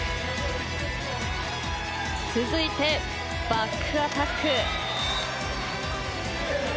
続いて、バックアタック。